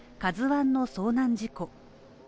「ＫＡＺＵⅠ」の遭難事故。